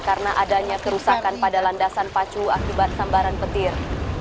karena adanya kerusakan pada landasan pacu akibat sambaran petir